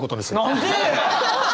何で！？